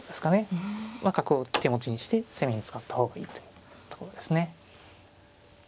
角を手持ちにして攻めに使った方がいいというところですね。